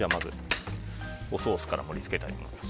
おソースから盛り付けていきます。